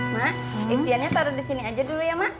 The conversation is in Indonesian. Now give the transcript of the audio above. mak isiannya taruh di sini aja dulu ya mak